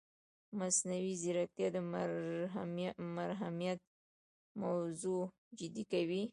مصنوعي ځیرکتیا د محرمیت موضوع جدي کوي.